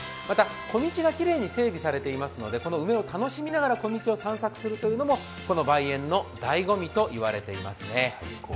また、小道がきれに整備されていますので、この梅を楽しみながらこの道を散策するのがこの梅苑のだいご味と言われていますね。